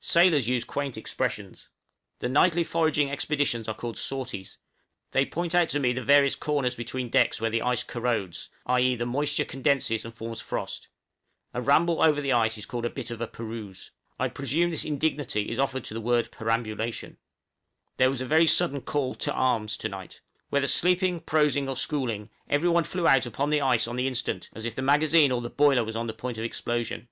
Sailors use quaint expressions. The nightly foraging expeditions are called "sorties;" they point out to me the various corners between decks where the "ice corrodes," i.e., the moisture condenses and forms frost; a ramble over the ice is called "a bit of a peruse." I presume this indignity is offered to the word perambulation. {BEAR HUNTING BY NIGHT.} There was a very sudden call "to arms" to night. Whether sleeping, prosing, or schooling, every one flew out upon the ice on the instant, as if the magazine or the boiler was on the point of explosion.